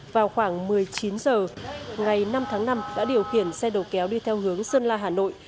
vào khoảng một mươi chín h ngày năm tháng năm đã điều khiển xe đầu kéo đi theo hướng sơn la hà nội